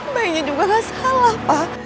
bayinya juga gak salah pak